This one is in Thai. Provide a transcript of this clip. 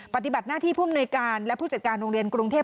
ปฏิบัติหน้าที่ผู้อำนวยการและผู้จัดการโรงเรียนกรุงเทพ